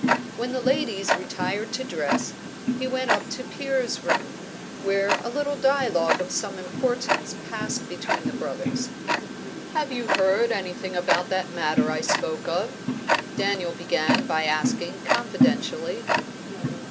When the ladies retired to dress, he went up to Piers' room, where a little dialogue of some importance passed between the brothers. "Have you heard anything about that matter I spoke of?" Daniel began by asking, confidentially.